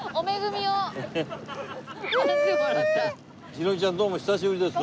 ひろみちゃんどうも久しぶりです。